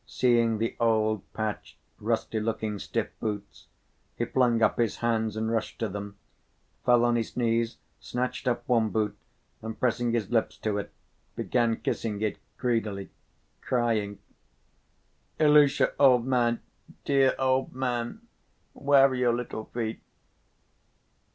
Seeing the old, patched, rusty‐ looking, stiff boots he flung up his hands and rushed to them, fell on his knees, snatched up one boot and, pressing his lips to it, began kissing it greedily, crying, "Ilusha, old man, dear old man, where are your little feet?"